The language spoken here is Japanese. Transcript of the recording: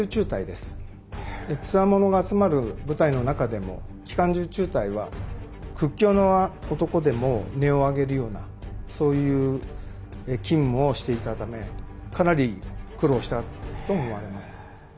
でつわものが集まる部隊の中でも機関銃中隊は屈強な男でも音を上げるようなそういう勤務をしていたためかなり苦労したと思われます。